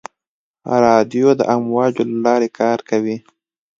رادیو د امواجو له لارې کار کوي.